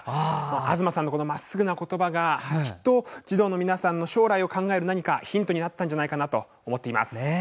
東さんのまっすぐな言葉がきっと児童の皆さんの将来を考えるヒントになったんじゃないかなと思っています。